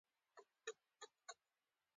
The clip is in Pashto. يادې شوې ماشومې ترې په ناڅاپي توګه کار واخيست.